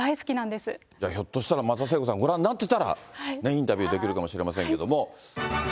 ひょっとしたら松田聖子さん、ご覧になってたら、インタビューできるかもしれませんけれども。